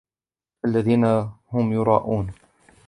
الذين هم يراءون